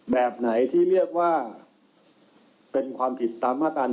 แบบไหนที่เรียกว่าเป็นความผิดตามมาตรา๑